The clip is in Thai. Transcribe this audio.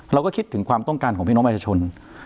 เราก็คิดถึงความต้องการของพี่น้องประชาชน